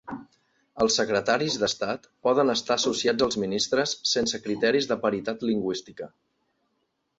Els secretaris d'Estat poden estar associats als ministres sense criteris de paritat lingüística.